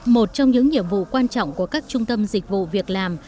một trong những nhiệm vụ quan trọng của các trung tâm dịch vụ việc làm